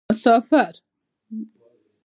مسافر